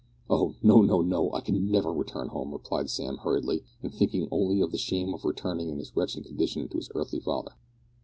"Oh! no, no, no, I can never return home," replied Sam, hurriedly, and thinking only of the shame of returning in his wretched condition to his earthly father.